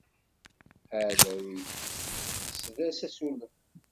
Aɛdaw-ik, qsed-as asulef.